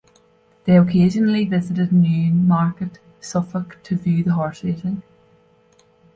They occasionally visited Newmarket, Suffolk, to view the horse racing.